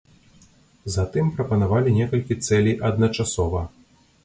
Затым прапанавалі некалькі цэлей адначасова.